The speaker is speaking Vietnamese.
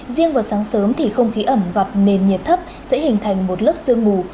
riêng vào sáng sớm thì không khí ẩm vặt nền nhiệt thấp sẽ hình thành một lớp xương mù